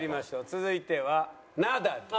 続いてはナダル。